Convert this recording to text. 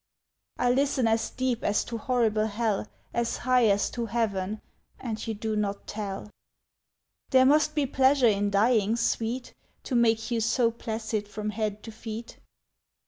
"I listen as deep as to horrible hell, As high as to heaven, and you do not tell. "There must be pleasure in dying, sweet, To make you so placid from head to feet!